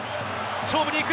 勝負に行く。